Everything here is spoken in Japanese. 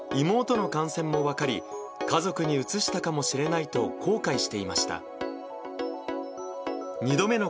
妹の感染も分かり、家族にうつしたかもしれないと後悔していました。